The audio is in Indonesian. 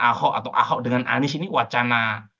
ahok atau ahok dengan anies ini wacana